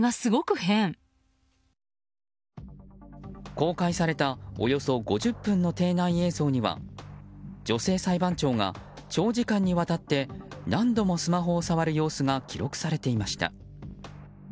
公開されたおよそ５０分の廷内映像には女性裁判長が長時間にわたって何度もスマホを触る様子が記録されていました。